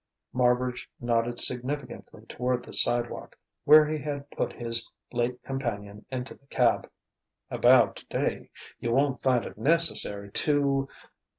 Marbridge nodded significantly toward the sidewalk, where he had put his late companion into the cab. "About today: you won't find it necessary to